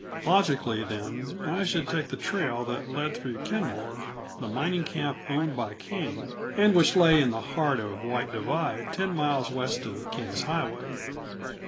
Logically, then, I should take the trail that led through Kenmore, the mining camp owned by King, and which lay in the heart of White Divide ten miles west of King's Highway.